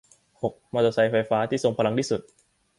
หก มอเตอร์ไซค์ไฟฟ้าที่ทรงพลังที่สุด